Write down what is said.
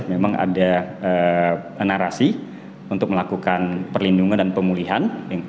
memang ada narasi untuk melakukan perlindungan dan pemulihan